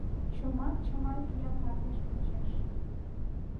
Чома чыма виян мардеж почеш.